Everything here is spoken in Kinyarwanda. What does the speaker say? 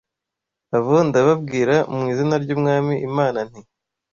Abo ndababwira mu Izina ry’Umwami Imana nti: